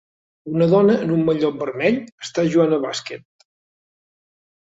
Una dona en un mallot vermell està jugant a bàsquet